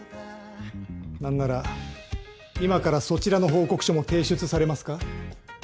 何なら今からそちらの報告書も提出されますか？